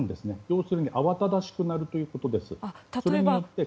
要するにあわただしくなるということです。